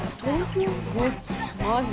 マジ？